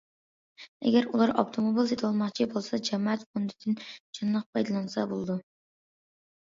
ئەگەر، ئۇلار ئاپتوموبىل سېتىۋالماقچى بولسا، جامائەت فوندىدىن جانلىق پايدىلانسا بولىدۇ.